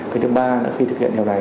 cái thứ ba là khi thực hiện điều này